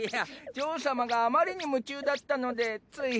ジョー様があまりに夢中だったのでつい。